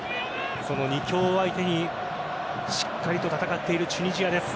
その２強を相手にしっかりと戦っているチュニジアです。